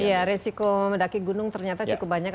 iya resiko mendaki gunung ternyata cukup banyak